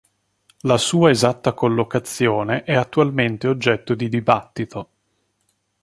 La sua esatta collocazione è attualmente oggetto di dibattito.